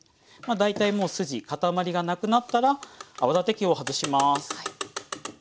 大体もう筋塊がなくなったら泡立て器を外します。